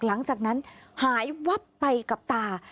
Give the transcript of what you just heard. หลังจากนั้นหายวับไปกับตา